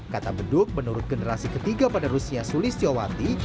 kata beduk menurut generasi ketiga pada rusnya sulis tjowati